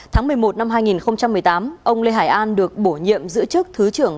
tháng một mươi một năm hai nghìn một mươi tám ông lê hải an được bổ nhiệm giữ chức thứ trưởng